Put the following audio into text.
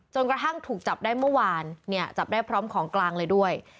กระทั่งถูกจับได้เมื่อวานเนี่ยจับได้พร้อมของกลางเลยด้วย